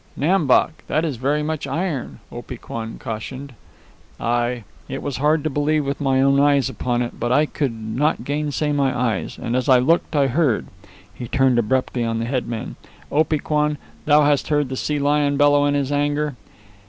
"Nam Bok, that is very much iron," Opee Kwan cautioned. "Ay, it was hard to believe with my own eyes upon it; but I could not gainsay my eyes. And as I looked I heard ..." He turned abruptly upon the head man. "Opee Kwan, thou hast heard the sea lion bellow in his anger.